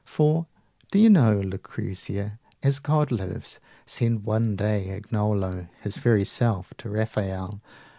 For, do you know, Lucrezia, as God lives, Said one day Agnolo, his very self, To Rafael